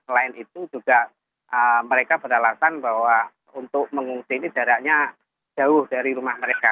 selain itu juga mereka beralasan bahwa untuk mengungsi ini jaraknya jauh dari rumah mereka